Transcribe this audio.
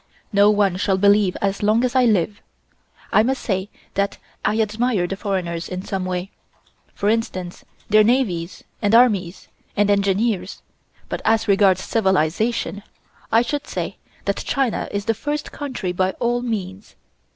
No one shall believe as long as I live. I must say that I admire the foreigners in some ways. For instance, their navies and armies, and engineers, but as regards civilization I should say that China is the first country by all means.